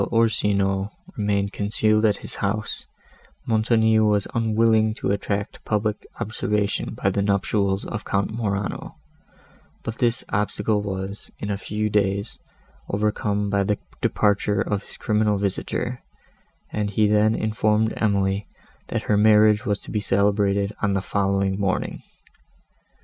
While Orsino remained concealed in his house, Montoni was unwilling to attract public observation by the nuptials of Count Morano; but this obstacle was, in a few days, overcome by the departure of his criminal visitor, and he then informed Emily, that her marriage was to be celebrated on the following morning.